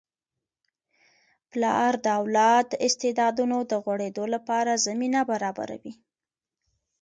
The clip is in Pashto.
پلار د اولاد د استعدادونو د غوړیدو لپاره زمینه برابروي.